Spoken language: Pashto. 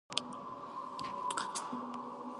که موږ ونې نه وای کرلې اکسیجن به کم وای.